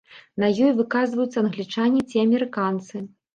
На ёй выказваюцца англічане ці амерыканцы.